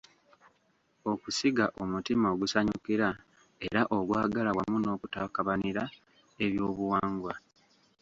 Okusiga omutima ogusanyukira era ogwagala wamu n’okutakabanira eby’obuwangwa.